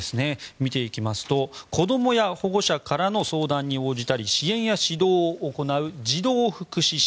見ていきますと子供や保護者からの相談に応じたり支援や指導を行う児童福祉司。